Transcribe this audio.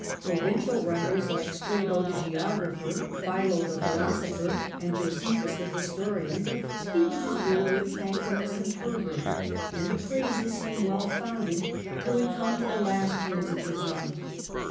Provincial writers like Strabo the geographer, Philo the philosopher, and Jose phus the historian, speak of his rule with thankfulness and fervour ; and the praises seem well founded till we come to the last years of his life.